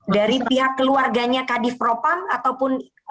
dari pihak keluarganya kadif propam ataupun